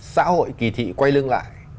xã hội kì thị quay lưng lại